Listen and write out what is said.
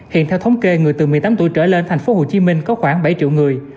hiện theo thống kê người từ một mươi tám tuổi trở lên thành phố hồ chí minh có khoảng bảy triệu người